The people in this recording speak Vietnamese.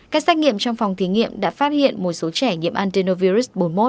các xét nghiệm trong phòng thí nghiệm đã phát hiện một số trẻ nhiễm antenovirus bốn mươi một